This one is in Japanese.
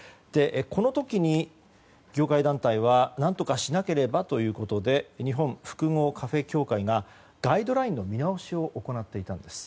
この時に、業界団体は何とかしなければということで日本複合カフェ協会がガイドラインの見直しを行っていたんです。